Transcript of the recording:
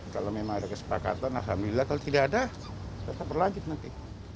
kalau memang ada kesepakatan alhamdulillah kalau tidak ada tetap berlanjut nanti